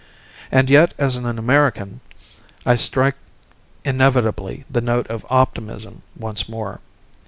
And yet, as an American, I strike inevitably the note of optimism once more.